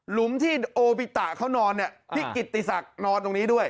หุมที่โอบิตะเขานอนเนี่ยพี่กิตติศักดิ์นอนตรงนี้ด้วย